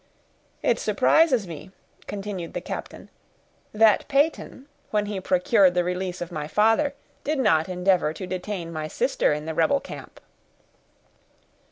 "It surprises me," continued the captain, "that Peyton, when he procured the release of my father, did not endeavor to detain my sister in the rebel camp."